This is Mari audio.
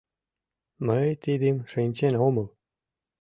Мый тидым шинчен омыл.